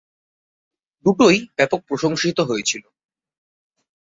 দুটোই ব্যাপক প্রশংসিত হয়েছিল।